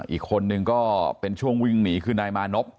อีกคนนึงก็เป็นช่วงวิ่งหนีคือนายมานพ